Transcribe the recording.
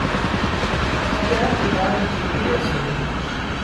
تڏهيݩ زبآن جيٚريٚ رهيٚسي۔